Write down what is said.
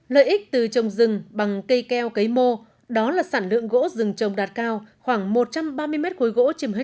lợi ích từ trồng rừng bằng cây keo cây mô đó là sản lượng gỗ rừng trồng đạt cao khoảng một trăm ba mươi mét khối gỗ